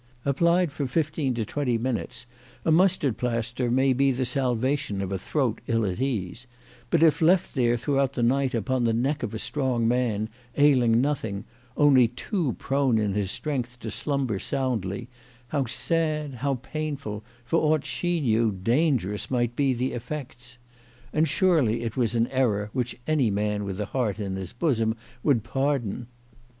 Applied for fifteen to twenty minutes a mustard plaster may be the salvation of a throat ill at ease, but if left there through out the night upon the neck of a strong man, ailing nothing, only too prone in his strength to slumber soundly, how sad, how painful, for aught she knew how dangerous might be the effects ! And surely it was an error which any man with a heart in his bosom would pardon